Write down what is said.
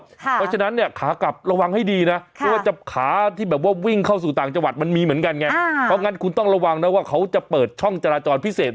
เพราะฉะนั้นเนี่ยขากลับระวังให้ดีนะเพราะว่าขาที่แบบว่าวิ่งเข้าสู่ต่างจังหวัดมันมีเหมือนกันไงเพราะงั้นคุณต้องระวังนะว่าเขาจะเปิดช่องจราจรพิเศษ